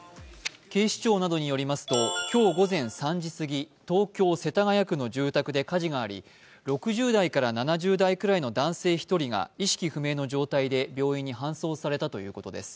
警視庁などによりますと今日午前３時過ぎ、東京・世田谷区の住宅で火事があり６０代から７０代くらいの男性１人が意識不明の状態で病院に搬送されたということです。